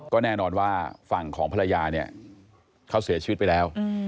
ก็แน่นอนว่าฝั่งของภรรยาเนี่ยเขาเสียชีวิตไปแล้ว